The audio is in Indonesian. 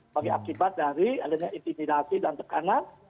bagi akibat dari adanya intimidasi dan tekanan